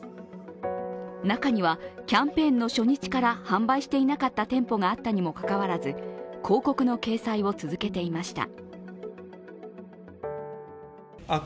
中にはキャンペーンの初日から販売していなかった店舗があったにもかかわらず広告の掲載を続けていました。